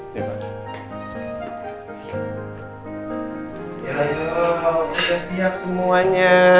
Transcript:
ayo kita siap semuanya